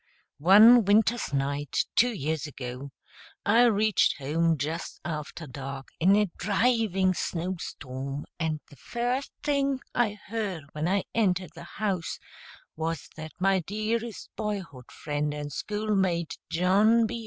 One winter's night, two years ago, I reached home just after dark, in a driving snow storm, and the first thing I heard when I entered the house was that my dearest boyhood friend and schoolmate, John B.